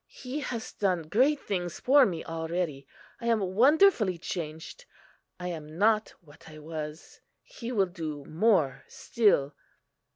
"He has done great things for me already; I am wonderfully changed; I am not what I was. He will do more still."